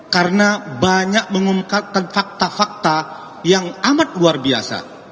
karena banyak mengumpulkan fakta fakta yang amat luar biasa